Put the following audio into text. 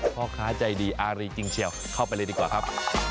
พ่อค้าใจดีอารีจริงเชียวเข้าไปเลยดีกว่าครับ